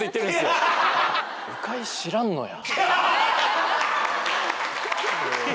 「鵜飼い知らんのや」